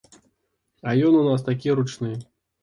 А ён у нас такі ручны!